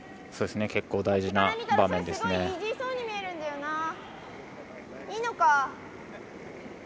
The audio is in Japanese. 結構大事な場面ですね。